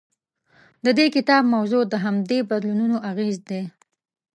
د دې کتاب موضوع د همدې بدلونونو اغېز دی.